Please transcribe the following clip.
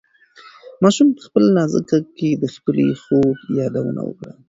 ماشوم په خپل نازک غږ کې د خپلې خور یادونه وکړه.